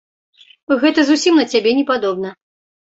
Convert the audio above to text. Гэта зусім на цябе не падобна.